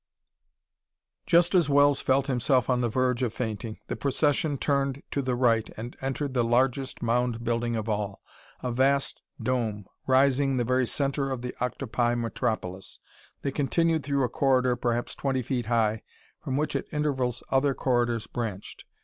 Just as Wells felt himself on the verge of fainting, the procession turned to the right and entered the largest mound building of all, a vast dome rising in the very center of the octopi metropolis. They continued through a corridor perhaps twenty feet high, from which at intervals other corridors branched.